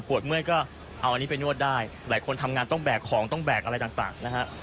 เมื่อยก็เอาอันนี้ไปนวดได้หลายคนทำงานต้องแบกของต้องแบกอะไรต่างนะฮะ